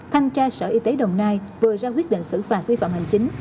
thanh tra sở y tế đồng nai vừa ra quyết định xử phạt vi phạm hành chính